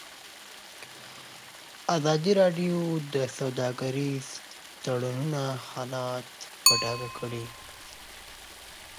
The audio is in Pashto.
ازادي راډیو د سوداګریز تړونونه حالت په ډاګه کړی.